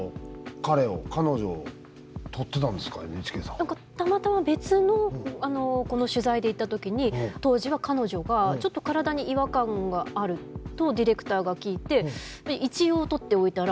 何かたまたま別のこの取材で行った時に当時は彼女がちょっと体に違和感があるとディレクターが聞いて一応撮っておいたら。